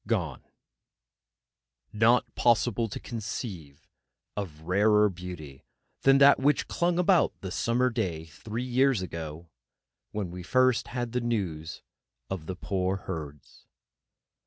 GONE Not possible to conceive of rarer beauty than that which clung about the summer day three years ago when first we had the news of the poor Herds.